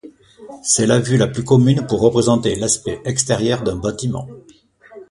C'est la vue la plus commune pour représenter l'aspect extérieur d'un bâtiment.